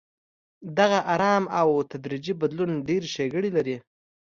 دغه ارام او تدریجي بدلون ډېرې ښېګڼې لري.